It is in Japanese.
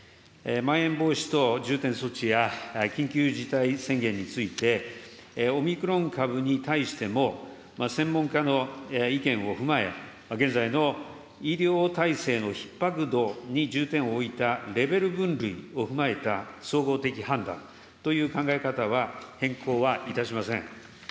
まん延防止等重点措置や緊急事態宣言について、オミクロン株に対しても、専門家の意見を踏まえ、現在の医療体制のひっ迫度に重点を置いたレベル分類を踏まえた総合的判断という考え方は、変更はいたしません。